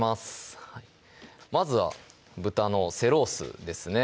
まずは豚の背ロースですね